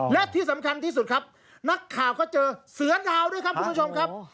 และที่สำคัญที่สุดครับนักข่าวก็เจอเสือดาวด้วยครับคุณผู้ชมครับ